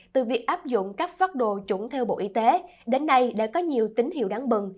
từ việc áp dụng các phát đồ chuẩn theo bộ y tế đến nay đã có nhiều tín hiệu đáng mừng